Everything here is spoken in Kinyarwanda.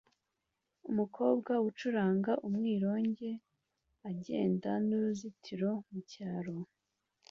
Umukobwa ucuranga umwironge agenda n'uruzitiro mucyaro